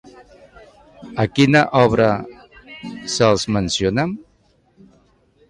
A quina obra se'ls menciona?